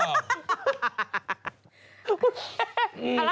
โอเค